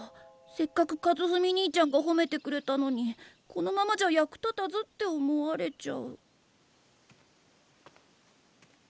せっかく和史にいちゃんがほめてくれたのにこのままじゃ役立たずって思われちゃう。